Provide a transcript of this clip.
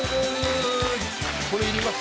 これいります？